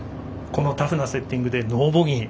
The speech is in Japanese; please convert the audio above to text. このタフなセッティングでノーボギー。